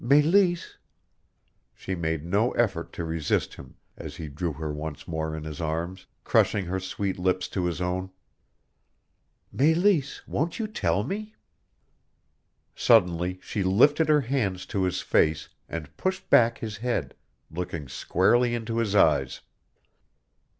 "Meleese " She made no effort to resist him as he drew her once more in his arms, crushing her sweet lips to his own. "Meleese, won't you tell me?" Suddenly she lifted her hands to his face and pushed back his head, looking squarely into his eyes.